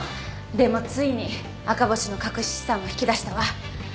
でもついに赤星の隠し資産を引き出したわ。